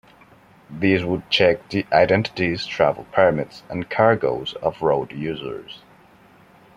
These would check the identities, travel permits and cargoes of road users.